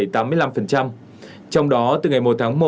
trong đó từ ngày một tháng một